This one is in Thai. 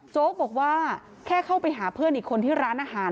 โจ๊กบอกว่าแค่เข้าไปหาเพื่อนอีกคนที่ร้านอาหาร